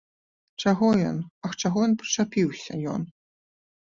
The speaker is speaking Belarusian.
Чаго ён, ах, чаго прычапіўся ён!